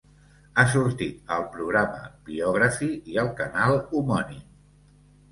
Ha sortit al programa Biography i al canal homònim.